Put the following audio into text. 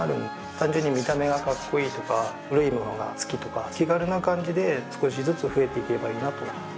単純に見た目がカッコいいとか古いものが好きとか気軽な感じで少しずつ増えていけばいいなと。